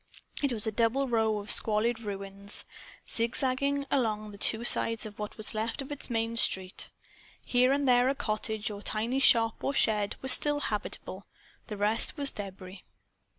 It was a double row of squalid ruins, zig zagging along the two sides of what was left of its main street. Here and there a cottage or tiny shop or shed was still habitable. The rest was debris.